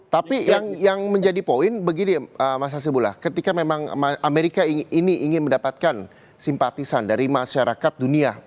tapi yang menjadi poin begini mas hasibullah ketika memang amerika ini ingin mendapatkan simpatisan dari masyarakat dunia